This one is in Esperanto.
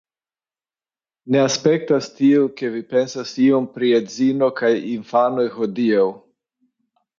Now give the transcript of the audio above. Ne aspektas tiel, ke vi pensas iom pri edzino kaj infanoj hodiaŭ.